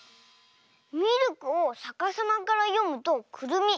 ミルクをさかさまからよむとくるみ。